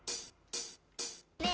ねえ？